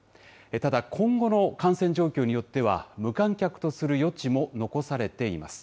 ただ、今後の感染状況によっては、無観客とする余地も残されています。